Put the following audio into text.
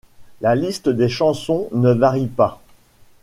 La liste des chansons ne varie pas.